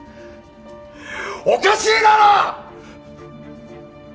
おかしいだろ！！